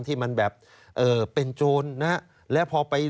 ที่มันแบบเป็นโจรนะครับ